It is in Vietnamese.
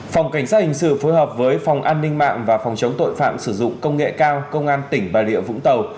phòng cảnh sát hình sự phối hợp với phòng an ninh mạng và phòng chống tội phạm sử dụng công nghệ cao công an tỉnh bà rịa vũng tàu